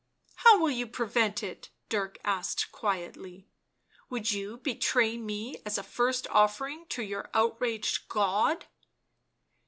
" How will you prevent it?" Dirk asked quietly; " would you betray me as a first offering to your out raged God?"